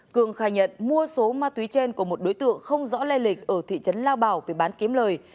cường khai nhận mua số ma túy trên của một đối tượng không rõ lây lịch ở thị trấn lao bảo về bán kiếm lời